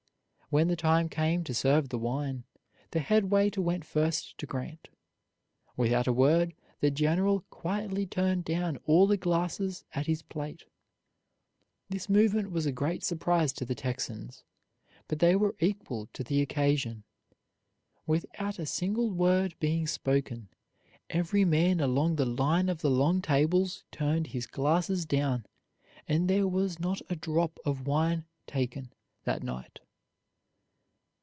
When the time came to serve the wine, the headwaiter went first to Grant. Without a word the general quietly turned down all the glasses at his plate. This movement was a great surprise to the Texans, but they were equal to the occasion. Without a single word being spoken, every man along the line of the long tables turned his glasses down, and there was not a drop of wine taken that night.